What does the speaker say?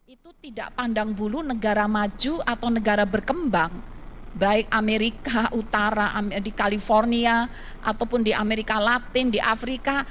itu tidak pandang bulu negara maju atau negara berkembang baik amerika utara di california ataupun di amerika latin di afrika